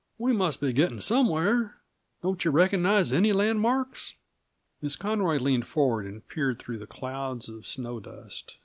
"We must be getting somewhere; don't you recognize any landmarks?" Miss Conroy leaned forward and peered through the clouds of snow dust.